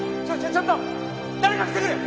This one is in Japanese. ちょっと誰か来てくれ！